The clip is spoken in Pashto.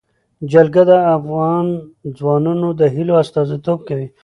جلګه د افغان ځوانانو د هیلو استازیتوب کوي.